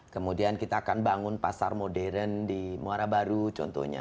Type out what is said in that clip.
kemudian kita akan bangun pasar modern di muara baru contohnya